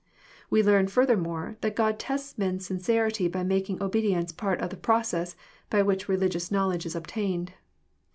We learn, furthermore, that God tests men's sincerity by making obedience part of the,_process by which religious knowledge is obtained.